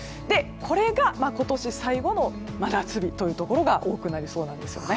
これが今年最後の真夏日というところが多くなりそうです。